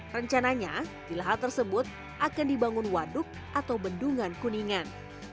rencananya di lahan tersebut akan dibangun waduk atau bendungan kuningan